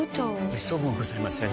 めっそうもございません。